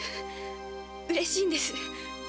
うれしいんです。